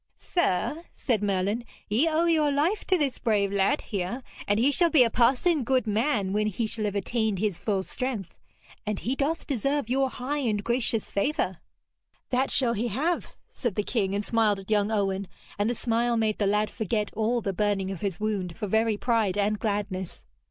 'Sir,' said Merlin, 'ye owe your life to this brave lad here, and he shall be a passing good man when he shall have attained his full strength, and he doth deserve your high and gracious favour.' 'That shall he have,' said the king, and smiled at young Owen, and the smile made the lad forget all the burning of his wound for very pride and gladness.